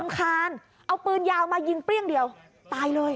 คานเอาปืนยาวมายิงเปรี้ยงเดียวตายเลย